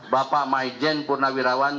bapak maizen purnawirawan